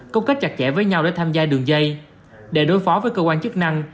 công kết chặt chẽ với nhau để tham gia đường dây để đối phó với cơ quan chức năng